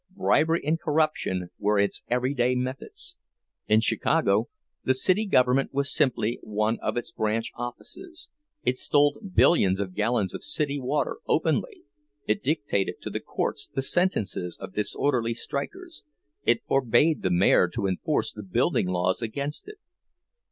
Bribery and corruption were its everyday methods. In Chicago the city government was simply one of its branch offices; it stole billions of gallons of city water openly, it dictated to the courts the sentences of disorderly strikers, it forbade the mayor to enforce the building laws against it.